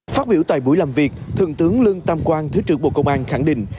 phát biểu tại buổi làm việc thượng tướng lương tam quang thứ trưởng bộ công an khẳng định